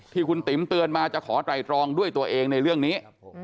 ที่คุณติ๋มเตือนมาจะขอไตรตรองด้วยตัวเองในเรื่องนี้